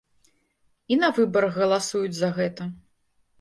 І на выбарах галасуюць за гэта.